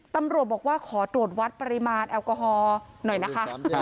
ตำรวจบอกว่าขอตรวจวัดปริมาณแอลกอฮอล์หน่อยนะคะ